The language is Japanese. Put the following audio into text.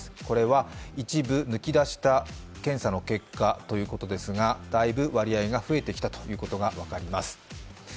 これは一部抜き出した検査の結果ということですが、だいぶ割合が増えてきたということが分かります。